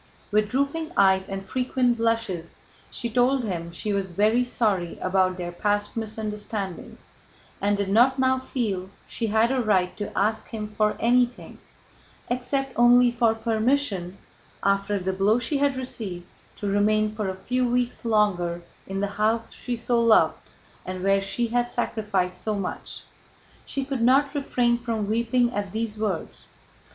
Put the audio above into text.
With drooping eyes and frequent blushes she told him she was very sorry about their past misunderstandings and did not now feel she had a right to ask him for anything, except only for permission, after the blow she had received, to remain for a few weeks longer in the house she so loved and where she had sacrificed so much. She could not refrain from weeping at these words.